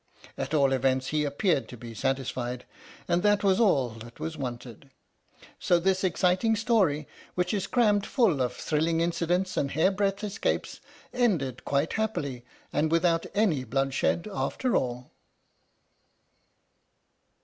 At all events he appeared to be satisfied, and that was all that was wanted. So this exciting story, which is crammed full of thrilling incidents and hair breadth escapes, ended quite happily and without any bloodshed after all